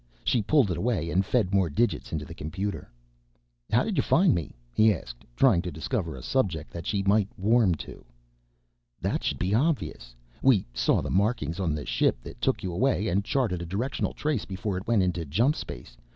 She pulled it away and fed more digits into the computer. "How did you find me?" he asked, trying to discover a subject that she might warm to. "That should be obvious. We saw the markings on the ship that took you away and charted a directional trace before it went into jump space.